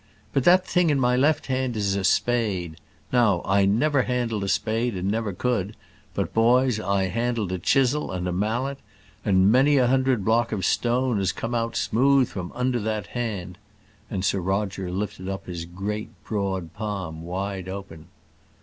But that thing in my left hand is a spade. Now, I never handled a spade, and never could; but, boys, I handled a chisel and mallet; and many a hundred block of stone has come out smooth from under that hand;" and Sir Roger lifted up his great broad palm wide open.